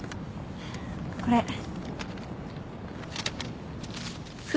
これ。